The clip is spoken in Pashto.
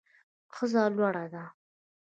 ښځه لور ده